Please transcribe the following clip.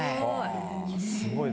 すごい！